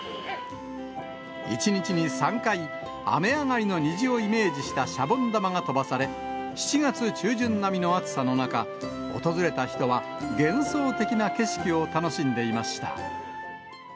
１日に３回、雨上がりの虹をイメージしたシャボン玉が飛ばされ、７月中旬並みの暑さの中、訪れた人は幻想的な景色を楽しんでいました。